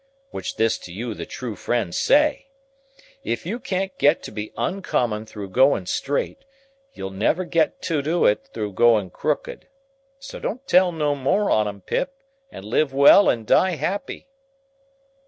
Which this to you the true friend say. If you can't get to be oncommon through going straight, you'll never get to do it through going crooked. So don't tell no more on 'em, Pip, and live well and die happy."